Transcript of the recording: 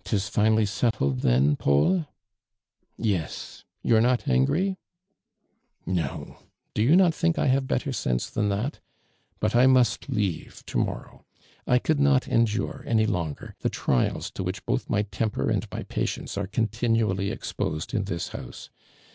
'• 'Tis finally settletl then, Taul ?"" Yes; you are not angry?" " No. Do you not think I have better sense than that? But I must leave to mor row. I could not endure, any longer, the trials to which both my temper and my patience are continually exposed in this house.